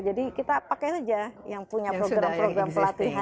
jadi kita pakai saja yang punya program program pelatihan